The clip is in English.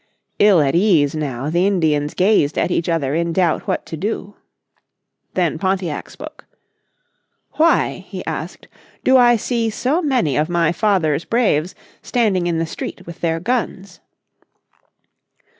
Ill at ease now, the Indians gazed at each other in doubt what to do. Then Pontiac spoke, "why," he asked, "do I see so many of my father's braves standing in the street with their guns?"